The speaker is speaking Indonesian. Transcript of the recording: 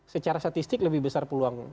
secara statistik lebih besar peluang